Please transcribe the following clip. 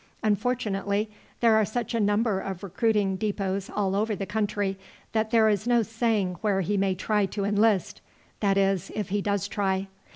Unfortunately there are such a number of recruiting depôts all over the country, that there is no saying where he may try to enlist that is, if he does try.